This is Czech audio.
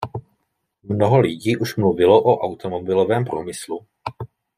Mnoho lidí už mluvilo o automobilovém průmyslu.